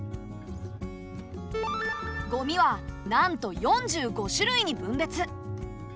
ゴミはなんと４５種類に分別。